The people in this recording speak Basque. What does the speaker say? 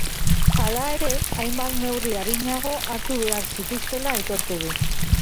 Hala ere, hainbat neurri arinago hartu behar zituztela aitortu du.